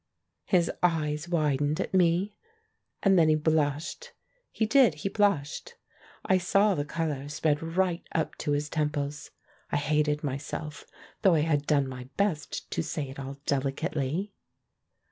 His eyes widened at me ; and then he — blushed. He did, he blushed ; I saw the colour spread right up to his temples. I hated myself, though I had done my best to say it all delicately.